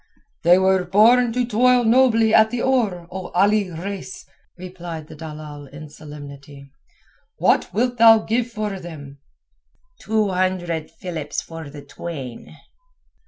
"They were born to toil nobly at the oar, O Ali Reis," replied the dalal in all solemnity. "What wilt thou give for them?" "Two hundred philips for the twain."